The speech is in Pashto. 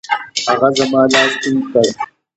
هغه زما لاس ټینګ کړ.